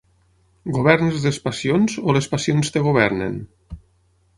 Governes les passions o les passions et governen?